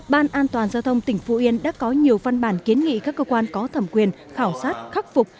ban an toàn giao thông tỉnh phú yên đã có nhiều văn bản kiến nghị các cơ quan có thẩm quyền khảo sát khắc phục